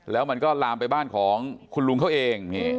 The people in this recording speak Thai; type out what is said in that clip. แล้วมันก็ลามไปบ้านของคุณลุงเขาเอง